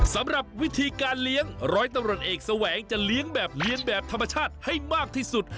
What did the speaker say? สำหรับวิธีการเลี้ยงร้อยตำรวจเอกแสวงจะเลี้ยงแบบเลี้ยงแบบธรรมชาติให้มากที่สุด